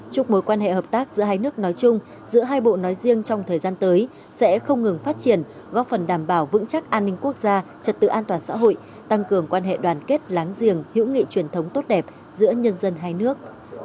chúc mối quan hệ hợp tác giữa hai nước nói chung giữa hai bộ nói riêng trong thời gian tới sẽ không ngừng phát triển góp phần đảm bảo vững chắc an ninh quốc gia trật tự an toàn xã hội tăng cường quan hệ đoàn kết láng giềng hữu nghị truyền thống tốt đẹp giữa nhân dân hai nước